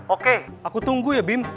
oke aku tunggu ya bim